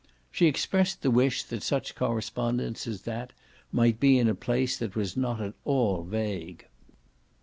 She expressed the wish that such correspondents as that might be in a place that was not at all vague.